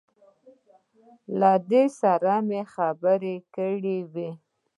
له ده سره مې خبرې کړې وې.